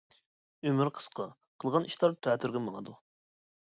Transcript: ئۆمۈر قىسقا، قىلغان ئىشلار تەتۈرگە ماڭىدۇ.